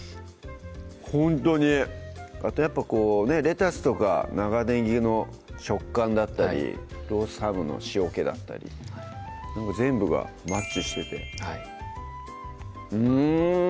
ほんとにあとやっぱレタスとか長ねぎの食感だったりロースハムの塩けだったり全部がマッチしててはいうん